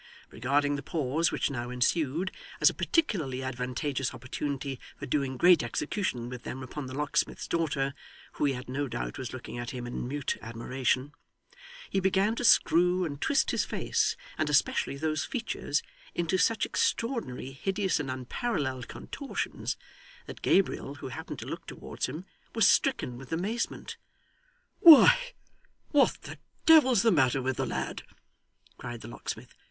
Regarding the pause which now ensued, as a particularly advantageous opportunity for doing great execution with them upon the locksmith's daughter (who he had no doubt was looking at him in mute admiration), he began to screw and twist his face, and especially those features, into such extraordinary, hideous, and unparalleled contortions, that Gabriel, who happened to look towards him, was stricken with amazement. 'Why, what the devil's the matter with the lad?' cried the locksmith.